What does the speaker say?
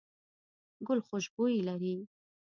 ګل خوشبويي لري.